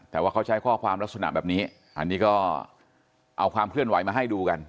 แต่ว่าเขาใช้ข้อความลักษณะแบบนี้อันนี้ก็เอาความเคลื่อนไหวมาให้ดูกัน